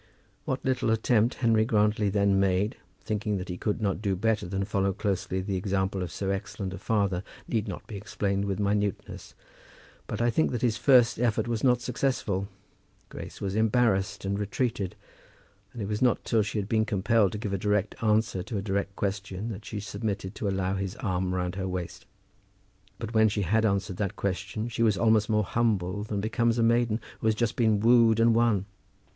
What little attempt Henry Grantly then made, thinking that he could not do better than follow closely the example of so excellent a father, need not be explained with minuteness. But I think that his first effort was not successful. Grace was embarrassed and retreated, and it was not till she had been compelled to give a direct answer to a direct question that she submitted to allow his arm round her waist. But when she had answered that question she was almost more humble than becomes a maiden who has just been wooed and won.